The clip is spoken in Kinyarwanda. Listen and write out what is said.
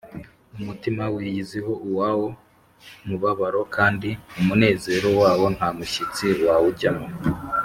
umutima wiyiziho uwawo mubabaro, kandi umunezero wawo nta mushyitsi wawujyamo